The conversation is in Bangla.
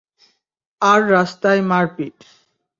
আর রাস্তায় মারপিট।